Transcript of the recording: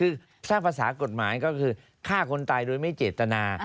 คือสร้างภาษากฎหมายก็คือฆ่าคนตายโดยไม่เจตนา